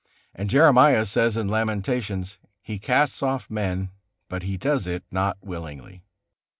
And Jeremiah says in Lamentations, "He casts off men, but He does it not willingly."